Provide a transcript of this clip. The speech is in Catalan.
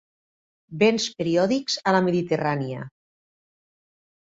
Vents periòdics a la Mediterrània.